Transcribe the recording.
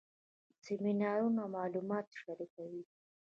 سیمینارونه معلومات شریکوي